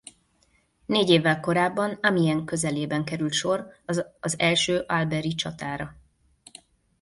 Négy évvel korábban Amiens közelében került sor az az első albert-i csatára.